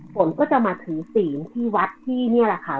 ฝนก็จะมาถือศีลที่วัดที่นี่แหละค่ะ